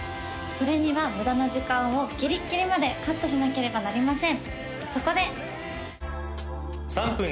それには無駄な時間をギリッギリまでカットしなければなりません